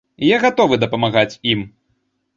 Я гатовы дапамагаць ім.